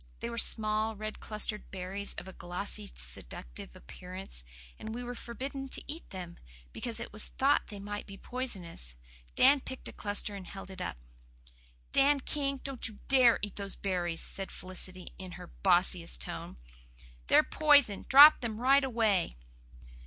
They were small, red clustered berries of a glossy, seductive appearance, and we were forbidden to eat them, because it was thought they might be poisonous. Dan picked a cluster and held it up. "Dan King, don't you DARE eat those berries," said Felicity in her "bossiest" tone. "They're poison. Drop them right away."